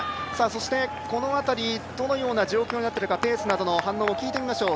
そしてこの辺り、どのような状況になっていくかペースなどの反応を聞いていきましょう。